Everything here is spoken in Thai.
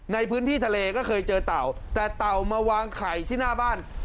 ในพื้นที่ทะเลก็เคยเจอเต่าแต่เต่ามาวางไข่ที่หน้าบ้าน